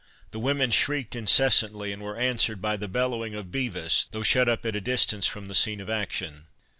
The women shrieked incessantly, and were answered by the bellowing of Bevis, though shut up at a distance from the scene of action.